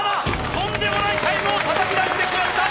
とんでもないタイムをたたき出してきました。